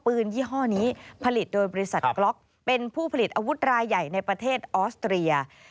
ยี่ห้อนี้ผลิตโดยบริษัทกล็อกเป็นผู้ผลิตอาวุธรายใหญ่ในประเทศออสเตรีย